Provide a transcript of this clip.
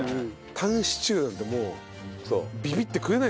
タンシチューなんてもうビビって食えないですよね。